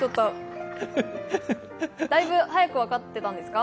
だいぶ早く分かってたんですか？